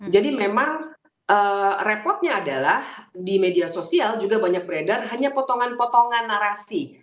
jadi memang repotnya adalah di media sosial juga banyak beredar hanya potongan potongan narasi